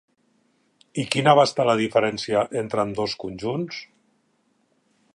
I quina va estar la diferència entre ambdós conjunts?